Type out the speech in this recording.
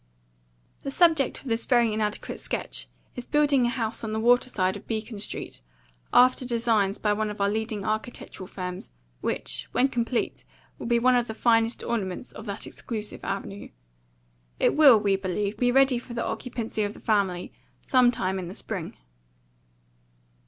"The subject of this very inadequate sketch is building a house on the water side of Beacon Street, after designs by one of our leading architectural firms, which, when complete, will be one of the finest ornaments of that exclusive avenue. It will, we believe, be ready for the occupancy of the family sometime in the spring."